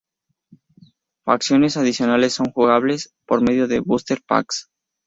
Facciones adicionales son jugables por medio de "booster Packs".